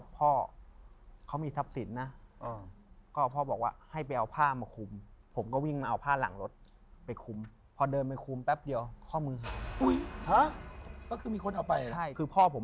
พอเดินไปคุมแป๊บเดียว